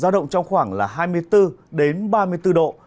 giao động trong khoảng là hai mươi bốn đến ba mươi bốn độ